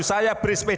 saya beri sepeda